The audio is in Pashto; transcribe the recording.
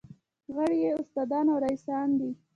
غړي یې استادان او رییسان دي.